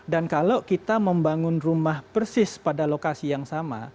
dan kalau kita membangun rumah persis pada lokasi yang sama